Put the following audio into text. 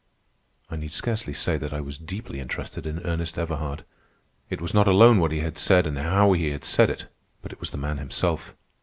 I need scarcely say that I was deeply interested in Ernest Everhard. It was not alone what he had said and how he had said it, but it was the man himself.